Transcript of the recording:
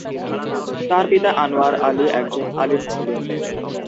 তার পিতা আনোয়ার আলী একজন আলেম ছিলেন।